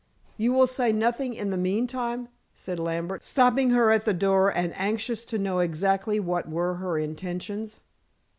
"You will say nothing in the meantime," said Lambert, stopping her at the door, and anxious to know exactly what were her intentions.